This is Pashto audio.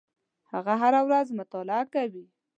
هغه هره ورځ مطالعه کوي.